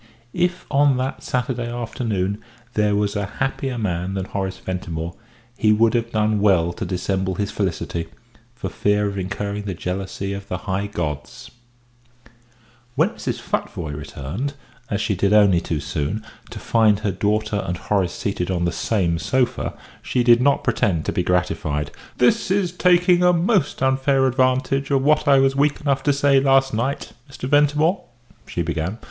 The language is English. If on that Saturday afternoon there was a happier man than Horace Ventimore, he would have done well to dissemble his felicity, for fear of incurring the jealousy of the high gods. When Mrs. Futvoye returned, as she did only too soon, to find her daughter and Horace seated on the same sofa, she did not pretend to be gratified. "This is taking a most unfair advantage of what I was weak enough to say last night, Mr. Ventimore," she began.